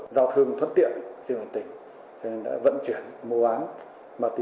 giao thương thuận tiện trên đoàn tỉnh cho nên đã vận chuyển mô án ma túy